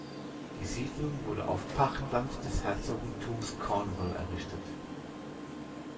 Die Siedlung wurde auf Pachtland des Herzogtums Cornwall errichtet.